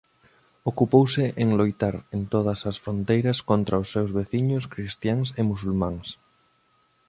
Ocupouse en loitar en todas as fronteiras contra os seus veciños cristiáns e musulmáns.